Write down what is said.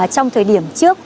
trong thời điểm trước